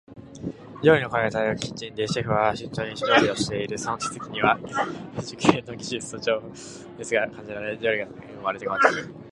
料理の香りが漂うキッチンで、シェフは慎重に食材を調理している。その手つきには熟練の技術と情熱が感じられ、料理が芸術のように生まれ変わっていく。